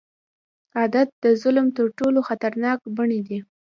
عادت د ظلم تر ټولو خطرناک بڼې ده.